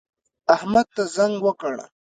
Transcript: احمد ته زنګ وکړه